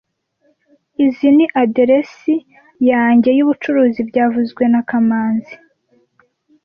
Izoi ni aderesi yanjye yubucuruzi byavuzwe na kamanzi